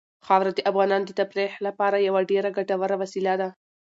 خاوره د افغانانو د تفریح لپاره یوه ډېره ګټوره وسیله ده.